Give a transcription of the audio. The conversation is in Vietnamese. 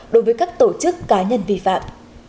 đối với các tổ chức cá nhân vi phạm